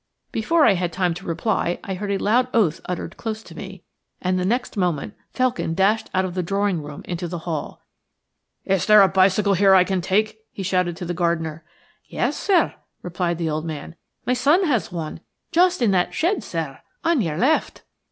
Before I had time to reply I heard a loud oath uttered close behind me, and the next moment Felkin dashed out of the drawing room into the hall. "Is there a bicycle here that I can take?" he shouted to the gardener. "Yes, sir," replied the old man; "my son has one. Just in that shed, sir, on your left."